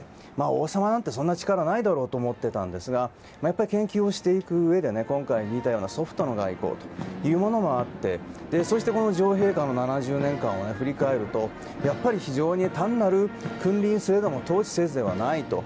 王様なんてそんな力ないだろうと思っていたんですが研究をしていくうえで今回見たようなソフトな外交というものがあってそして女王陛下の７０年間を振り返ると君臨すれども統治せずではないと。